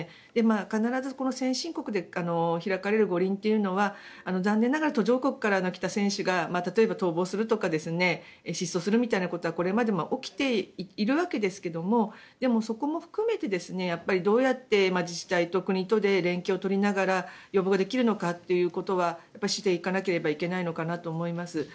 必ず、この先進国で開かれる五輪というのは残念ながら途上国から来た選手が例えば、逃亡するとか失踪するみたいなことはこれまでも起きているわけですがでも、そこも含めてどうやって自治体と国とで連携を取りながら予防できるのかということはしていかなければならないのかなと思います。